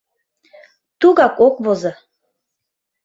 — Тугак ок возо.